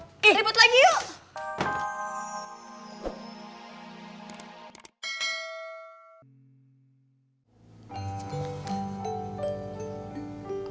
iyuh ribet lagi yuk